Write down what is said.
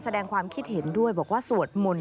แสดงความคิดเห็นด้วยบอกว่าสวดมนต์